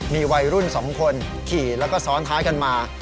มีวัยรุ่น๒คนขี่แล้วก็ซ้อนท้ายกันมา